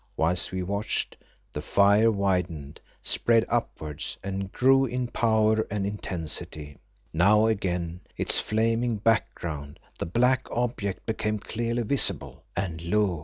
Whilst we watched, the fire widened, spread upwards and grew in power and intensity. Now against its flaming background the black object became clearly visible, and lo!